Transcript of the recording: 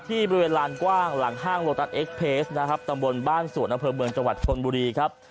ที่บริเวณลานกว้างหลังห้างโลตัสเอ็กเพจนะครับตำบลบ้านสวนอำเภอเมืองจังหวัดชนบุรีครับ